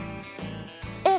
えっ？